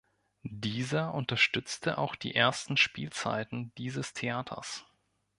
Dieser unterstützte auch die ersten Spielzeiten dieses Theaters.